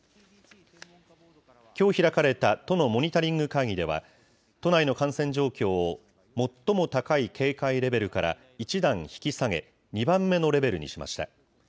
きょう開かれた都のモニタリング会議では、都内の感染状況を最も高い警戒レベルから１段引き下げ、２番目のレベルにしました。